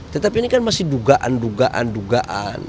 tetapi ini kan masih dugaan dugaan dugaan